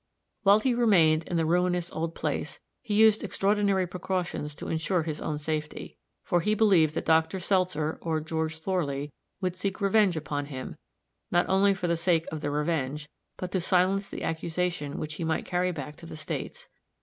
While he remained in the ruinous old place he used extraordinary precautions to insure his own safety; for he believed that Dr. Seltzer, or George Thorley, would seek revenge upon him, not only for the sake of the revenge, but to silence the accusation which he might carry back to the States.